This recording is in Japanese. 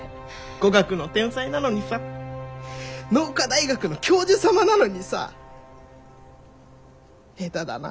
語学の天才なのにさ農科大学の教授様なのにさ下手だな。